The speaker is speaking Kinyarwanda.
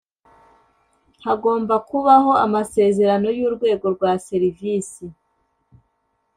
Hagomba Kubaho Amasezerano Y Urwego Rwa Serivisi